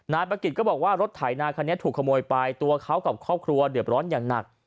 ประกิจก็บอกว่ารถไถนาคันนี้ถูกขโมยไปตัวเขากับครอบครัวเดือดร้อนอย่างหนัก